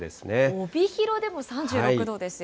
帯広でも３６度ですよ。